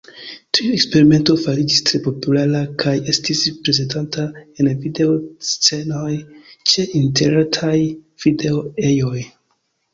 Tiu eksperimento fariĝis tre populara kaj estis prezentata en video-scenoj ĉe interretaj video-ejoj.